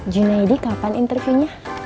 junaidy kapan interviewnya